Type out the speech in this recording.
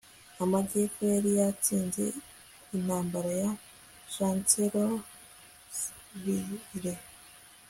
amajyepfo yari yatsinze intambara ya chancellorsville